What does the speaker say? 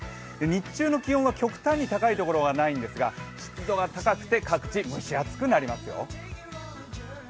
日中の気温は極端に高い所はないんですが湿度が高くて、各地蒸し暑くなりますよ。